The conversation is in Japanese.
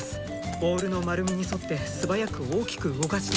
ボウルの丸みに沿って素早く大きく動かして。